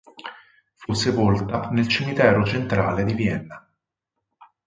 Fu sepolta nel cimitero centrale di Vienna.